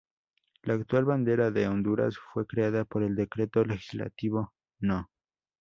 La actual Bandera de Honduras fue creada por el Decreto Legislativo No.